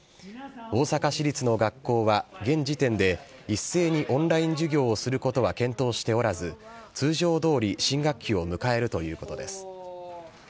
大阪市立の学校は現時点で、一斉にオンライン授業をすることは検討しておらず、通常どおり新学期を迎えるということです。